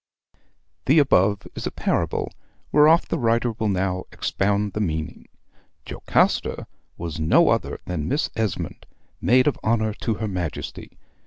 The above is a parable, whereof the writer will now expound the meaning. Jocasta was no other than Miss Esmond, Maid of Honor to her Majesty.